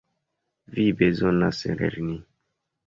Vi bezonas lerni.